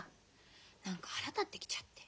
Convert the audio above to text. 何か腹立ってきちゃって。